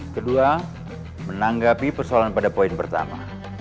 kedua menanggapi persoalan pada poin pertama